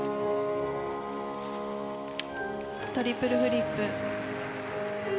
トリプルフリップ。